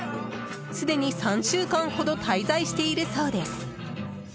すでに３週間ほど滞在しているそうです。